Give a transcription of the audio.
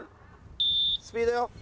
スピードよ。